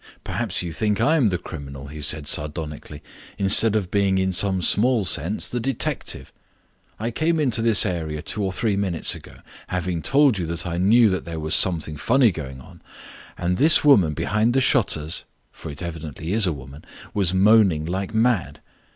"Perhaps you think I am the criminal," he said sardonically, "instead of being in some small sense the detective. I came into this area two or three minutes ago, having told you that I knew there was something funny going on, and this woman behind the shutters (for it evidently is a woman) was moaning like mad.